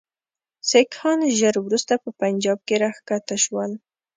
سیکهان ژر وروسته په پنجاب کې را کښته شول.